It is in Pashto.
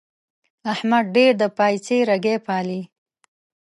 احمد ډېر د پايڅې رګی پالي.